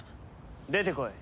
出てこい。